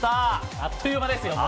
あっという間ですよ、もう。